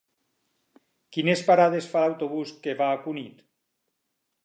Quines parades fa l'autobús que va a Cunit?